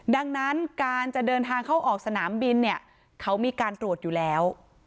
ดังนั้นการจะเดินทางเข้าออกสนามบินเนี่ยเขามีการตรวจอยู่แล้ว